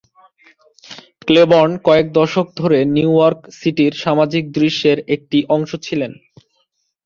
Claiborne কয়েক দশক ধরে নিউ ইয়র্ক সিটির সামাজিক দৃশ্যের একটি অংশ ছিলেন।